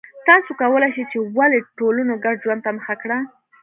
تاسو کولای شئ چې ولې ټولنو ګډ ژوند ته مخه کړه